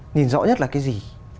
nhìn rõ nhất là cái gì